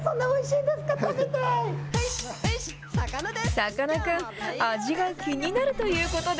さかなクン、味が気になるということで。